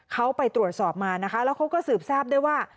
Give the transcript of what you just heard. เขาไปตรวจสอบมานะคะแล้วเขาก็สืบทราบได้ว่า